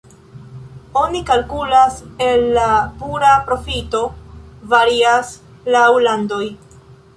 Oni kalkulas el la pura profito, varias laŭ landoj.